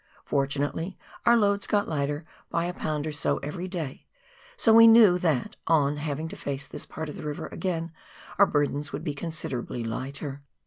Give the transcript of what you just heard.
Fortunately our loads got lighter by a pound or so every day, so we knew that, on having to face this part of the river again, our burdens would be considerably lighter.